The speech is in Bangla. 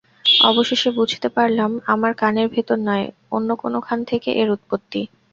অবশেষে বুঝতে পারলাম আমার কানের ভেতর নয়, অন্য কোনোখান থেকে এর উৎপত্তি।